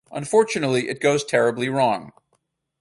Unfortunately it goes terribly wrong.